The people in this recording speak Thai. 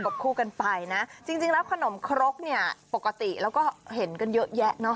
คู่กันไปนะจริงแล้วขนมครกเนี่ยปกติแล้วก็เห็นกันเยอะแยะเนาะ